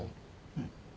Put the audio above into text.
うん。